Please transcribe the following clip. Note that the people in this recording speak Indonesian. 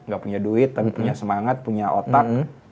gak punya duit tapi punya semangat punya otak